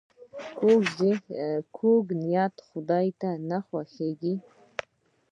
کوږ نیت خداي ته نه خوښیږي